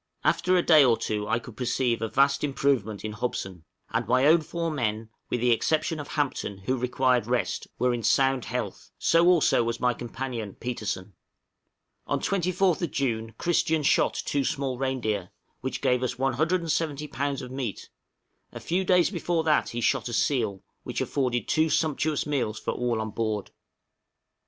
After a day or two I could perceive a vast improvement in Hobson; and my own four men, with the exception of Hampton, who required rest, were in sound health; so also was my companion Petersen. On 24th June Christian shot two small reindeer, which gave us 170 lbs. of meat; a few days before that he shot a seal, which afforded two sumptuous meals for all on board. {TREATMENT OF DOGS.